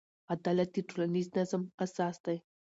عدالت د ټولنیز نظم اساس دی.